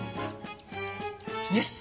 よし！